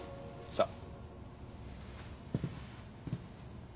さあ。